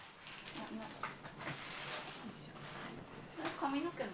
髪の毛も。